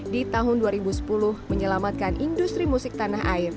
di tahun dua ribu sepuluh menyelamatkan industri musik tanah air